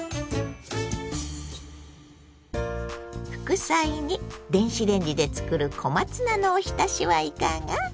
副菜に電子レンジで作る小松菜のおひたしはいかが。